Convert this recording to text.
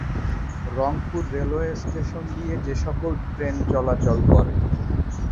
Rangpur railway station দিয়ে যেসকল train চলাচল করে।